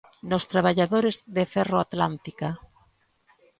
Nos traballadores de Ferroatlántica.